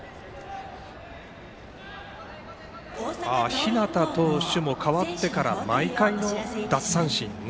日當投手も代わってから毎回の奪三振７。